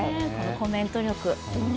コメント力。